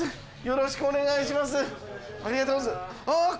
よろしくお願いします。